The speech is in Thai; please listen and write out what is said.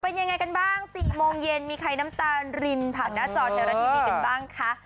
เป็นยังไงกันบ้าง๔โมงเย็นมีใครน้ำตารินผ่านหน้าจอไทยรัฐทีวีกันบ้างคะ